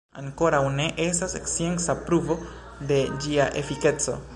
Ankoraŭ ne estas scienca pruvo de ĝia efikeco.